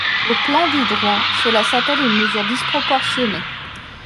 Au plan du droit, cela s’appelle une mesure disproportionnée.